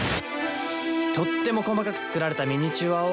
とっても細かく作られたミニチュアを。